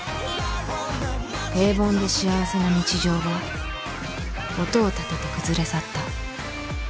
平凡で幸せな日常は音を立てて崩れ去った